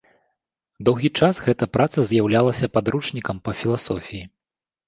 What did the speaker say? Доўгі час гэта праца з'яўлялася падручнікам па філасофіі.